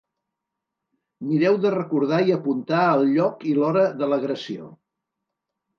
Mireu de recordar i apuntar el lloc i l’hora de l’agressió.